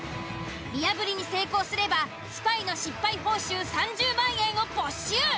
見破りに成功すればスパイの失敗報酬３０万円を没収。